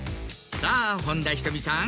さぁ本田仁美さん